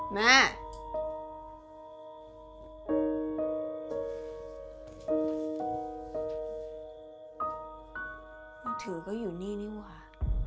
มันถือว่าอยู่นี่นี่หว่า